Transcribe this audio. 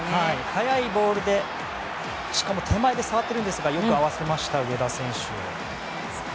速いボールでしかも手前で触っていますがよく合わせました、上田選手。